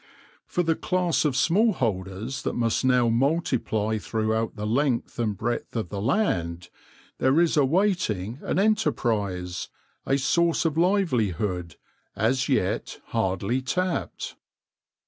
For the class of small holders that must now multiply throughout the length and breadth of the land, there is awaiting an enterprise — a source of livelihood — as yet hardly tapped.